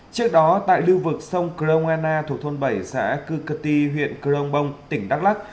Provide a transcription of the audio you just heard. trước đó tại lưu vực sông cơ long anna thuộc thôn bảy xã cư cơ ti huyện cơ long bông tỉnh đắk lắc